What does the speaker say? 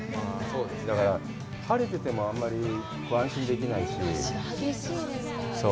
だから、晴れててもあんまり安心できないし。